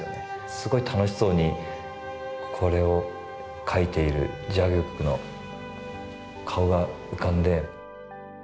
すごい楽しそうにこれを描いている蛇玉の顔が浮かんで。